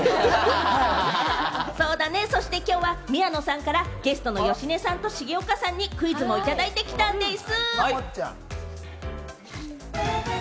そしてきょうは宮野さんからゲストの芳根さんと重岡さんにクイズをいただいてきたんでぃす。